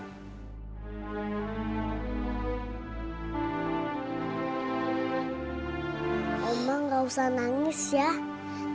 tante bella ini tapeh kenstr gulung raza anda badanya sih lho